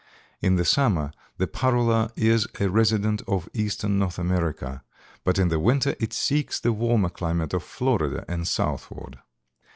In the summer the Parula is a resident of Eastern North America, but in the winter it seeks the warmer climate of Florida and southward.